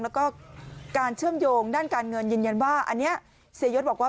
แล้วก็การเชื่อมโยงด้านการเงินยืนยันว่าอันนี้เสียยศบอกว่า